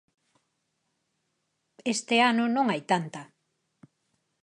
Este ano non hai tanta.